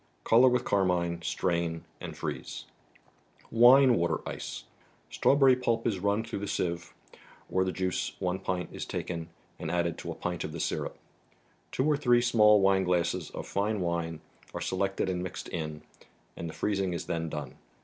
Color with Carmine, strain and freeze. entire aitater %e. Strawberry pulp is run through the sieve ; or the juice, one pint, is taken and added to a pint of the syrup. Two or three small wineglasses of fine wine are selected and mixed in, and the freezing is then done.